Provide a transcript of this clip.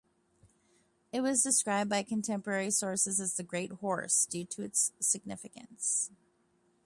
It was described by contemporary sources as the "Great Horse", due to its significance.